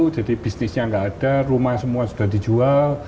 jadi bisnisnya nggak ada rumah semua sudah dijual